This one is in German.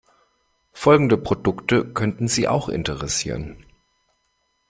Folgende Produkte könnten Sie auch interessieren.